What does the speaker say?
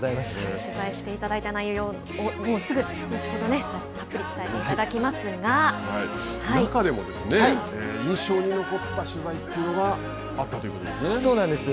取材していただいた内容を後ほどたっぷり中でも印象に残った取材というのがあったということですね。